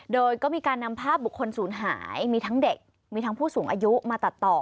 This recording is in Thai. โดยก็มีการนำภาพบุคคลศูนย์หายมีทั้งเด็กมีทั้งผู้สูงอายุมาตัดต่อ